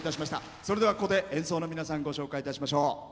それでは、ここで演奏の皆さんご紹介いたしましょう。